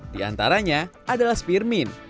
di antaranya adalah firmin